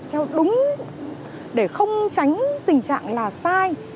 theo đúng để không tránh tình trạng là sai